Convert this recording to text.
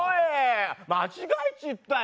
間違えちゃったよ。